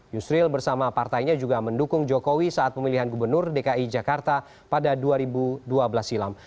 yusril bersama partainya juga mendukung jokowi saat pemilihan gubernur dki jakarta pada dua ribu dua belas silam